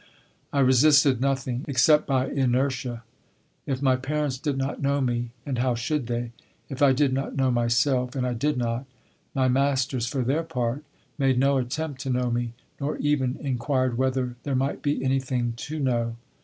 I resisted nothing except by inertia. If my parents did not know me and how should they? if I did not know myself, and I did not, my masters, for their part, made no attempt to know me nor even inquired whether there might be anything to know.